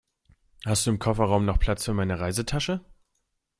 Hast du im Kofferraum noch Platz für meine Reisetasche?